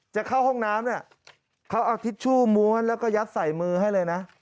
จะเข้าห้องน้ำเนี่ยเขาเอาทิชชู่ม้วนแล้วก็ยัดใส่มือให้เลยนะ